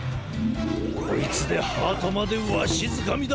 こいつでハートまでわしづかみだ！